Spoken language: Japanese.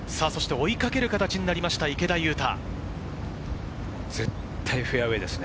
追いかける形になりました、池田勇太。